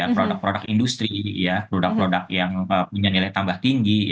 produk produk industri produk produk yang punya nilai tambah tinggi